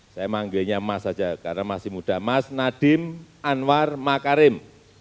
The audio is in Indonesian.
saya manggilnya mas saja karena masih muda mas nadiem anwar makarim